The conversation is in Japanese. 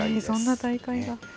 そんな大会が。